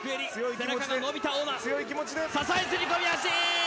支え釣り込み足！